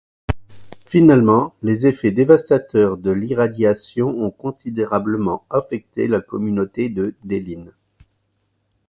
Finalement, les effets dévastateurs de l'irradiation ont considérablement affecté la communauté de Deline.